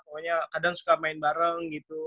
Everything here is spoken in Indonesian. pokoknya kadang suka main bareng gitu